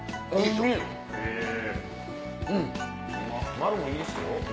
丸もいいっすよ！